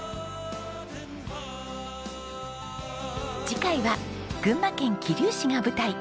次回は群馬県桐生市が舞台。